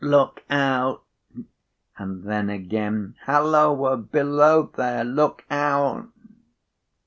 Look out!' And then again 'Halloa! Below there! Look out!